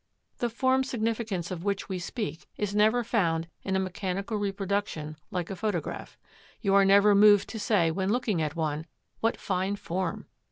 The form significance of which we speak is never found in a mechanical reproduction like a photograph. You are never moved to say when looking at one, "What fine form."